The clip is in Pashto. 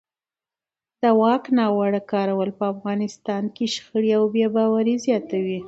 د واک ناوړه کارول په افغانستان کې شخړې او بې باورۍ زیاتوي